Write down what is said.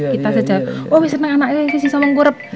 kita saja oh seneng anaknya bisa mengkurap